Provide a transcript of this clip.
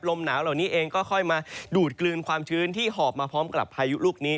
ลมหนาวเหล่านี้เองก็ค่อยมาดูดกลืนความชื้นที่หอบมาพร้อมกับพายุลูกนี้